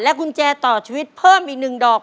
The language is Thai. กุญแจต่อชีวิตเพิ่มอีก๑ดอก